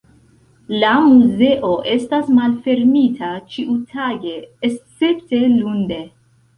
La muzeo estas malfermita ĉiutage escepte lunde.